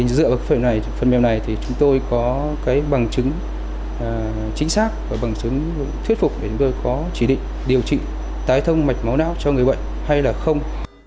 dựa vào phần mềm này chúng tôi có bằng chứng chính xác và bằng chứng thuyết phục để chúng tôi có chỉ định điều trị tái thông mạch máu não cho người bệnh hay không